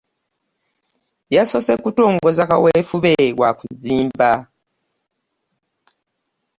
Yasoose kutongoza kaweefube wa kuzimba.